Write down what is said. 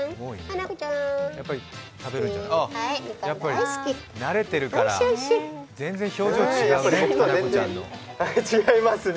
やっぱり慣れてるから全然表情が違うね。